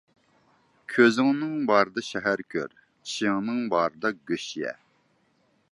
كۆزۈڭنىڭ بارىدا شەھەر كۆر، چىشىڭنىڭ بارىدا گۆش يە.